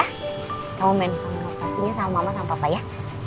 kita mau main sama merpati sama mama sama papa ya